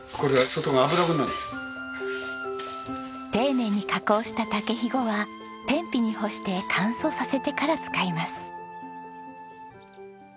丁寧に加工した竹ひごは天日に干して乾燥させてから使います。